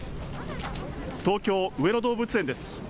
東京・上野動物園です。